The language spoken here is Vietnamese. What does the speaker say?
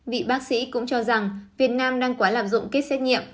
vị bác sĩ cũng cho rằng việt nam đang quá lạp dụng kết xét nghiệm